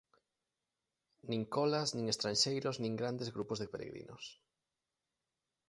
Nin colas, nin estranxeiros nin grandes grupos de peregrinos.